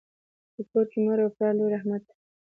په کور کي مور او پلار لوی رحمت دی.